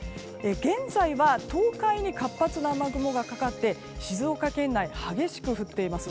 現在は東海に活発な雨雲がかかって静岡県内、激しく降っています。